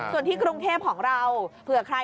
ส่วนที่กรุงเทพของเรา